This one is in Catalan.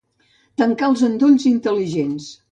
Tancar els endolls intel·ligents.